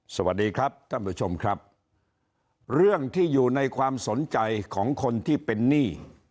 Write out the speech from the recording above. สวัสดีครับท่านผู้ชมครับเรื่องที่อยู่ในความสนใจของคนที่เป็นหนี้